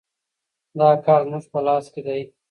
دا کار زموږ په لاس کې دی.